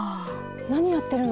なにやってるの？